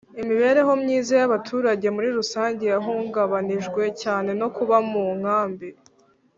imibereho myiza y'abaturage muri rusange yahungabanijwe cyane no kuba mu nkambi